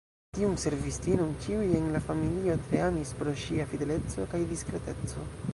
Tiun servistinon ĉiuj en la familio tre amis pro ŝia fideleco kaj diskreteco.